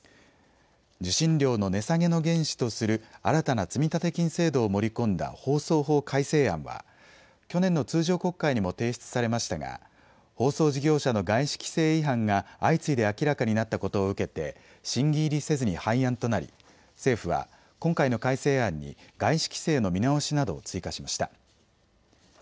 受信料の値下げの原資とする新たな積立金制度を盛り込んだ放送法改正案は去年の通常国会にも提出されましたが放送事業者の外資規制違反が相次いで明らかになったことを受けて審議入りせずに廃案となり政府は今回の改正案に外資規制の見直しなどを追加しました。